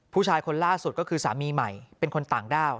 ผู้ชายคนล่าสุดก็คือสามีใหม่เป็นคนต่างด้าว